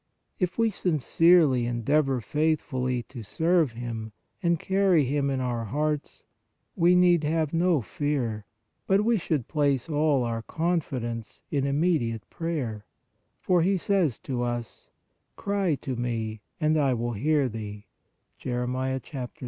If we sincerely endeavor faithfully to serve Him and carry Him in our THE PARALYTIC 81 hearts, we need have no fear, but we should place all our confidence in immediate prayer, for He says to us: "Cry to Me, and I will hear thee " (Jer.